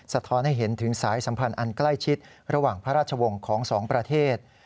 ท้อนให้เห็นถึงสายสัมพันธ์อันใกล้ชิดระหว่างพระราชวงศ์ของสองประเทศ